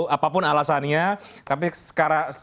apapun alasannya tapi sekarang